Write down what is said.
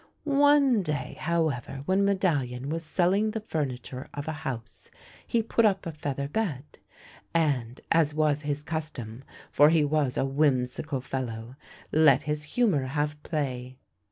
One day, however, when Medallion was selling the furniture of a house, he put up a feather bed, and, as was his custom — for he was a whimsical fellow — let his hu mour have play.